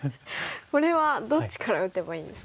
これはどっちから打てばいいんですか？